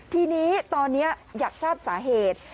ทีนี้ตอนนี้อยากทราบสาเหตุ